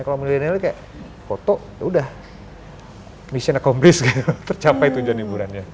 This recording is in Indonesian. kalau milenialnya kayak foto ya udah mission accomplished kayak tercapai tujuan liburannya